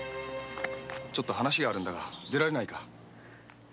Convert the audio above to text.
話があるんだが出られないか？